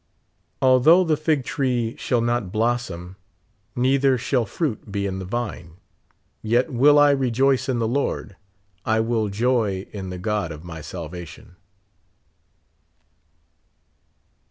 Although the fig tree shall not blossom, neither shall .fruit be in the vine, yet will I rejoice in the Lord, I will joy in the God of my salvation.